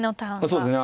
そうですね。